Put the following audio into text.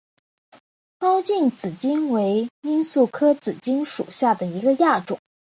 高茎紫堇为罂粟科紫堇属下的一个亚种。